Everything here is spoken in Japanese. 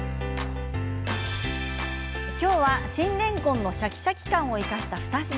今日は新れんこんのシャキシャキ感を生かした２品。